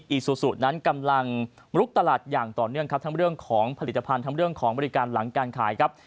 อซูซูนั้นกำลังลุกตลาดอย่างต่อเนื่องครับทั้งเรื่องของผลิตภัณฑ์ทั้งเรื่องของบริการหลังการขายครับ